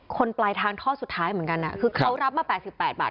ปลายทางท่อสุดท้ายเหมือนกันคือเขารับมา๘๘บาท